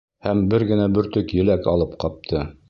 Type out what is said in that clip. Һәм бер генә бөртөк еләк алып ҡапты.